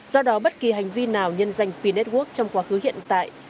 do đó bất kỳ hành vi nào nhân danh p network trong quá khứ hiện tại